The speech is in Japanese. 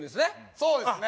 そうですね